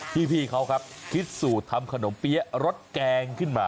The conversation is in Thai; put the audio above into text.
พี่เขาครับคิดสูตรทำขนมเปี๊ยะรสแกงขึ้นมา